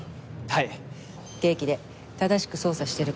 はい！